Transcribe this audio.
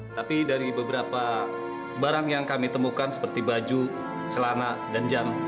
tapi dari beberapa barang yang kami temukan seperti baju celana dan jam